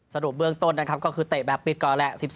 สรุปเบื้องต้นนะครับก็คือเตะแบบปิดก่อนแหละ